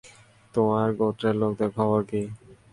তোমার গোত্রের লোকদের খবর কী?